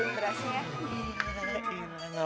we pascal ni sih tapi rating